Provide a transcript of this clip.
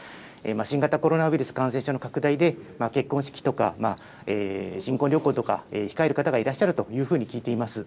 新型コロナウイルス感染者の拡大で、結婚式とか、新婚旅行とか、控える方がいらっしゃるというふうに聞いています。